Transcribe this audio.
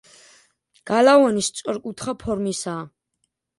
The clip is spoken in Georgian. გალავანი სწორკუთხა ფორმისაა.